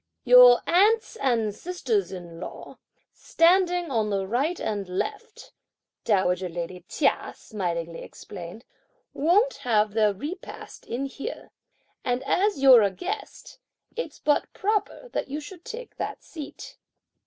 "Your aunts and sisters in law, standing on the right and left," dowager lady Chia smilingly explained, "won't have their repast in here, and as you're a guest, it's but proper that you should take that seat."